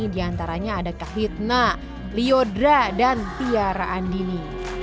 di antaranya ada kak hitna lyodra dan tiara andini